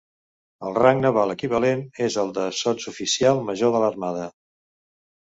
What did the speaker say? El rang naval equivalent és el de Sotsoficial Major de l'Armada.